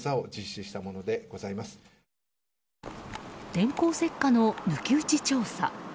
電光石火の抜き打ち調査。